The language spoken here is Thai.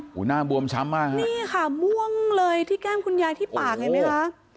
หน้าบวมช้ำมากฮะนี่ค่ะม่วงเลยที่แก้มคุณยายที่ปากเห็นไหมคะ